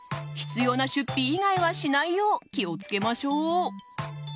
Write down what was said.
必要な出費以外はしないよう気を付けましょう。